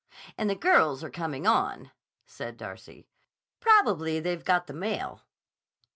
"And the girls are coming on," said Darcy. "Probably they've got the mail."